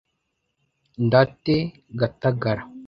Ndate gatagara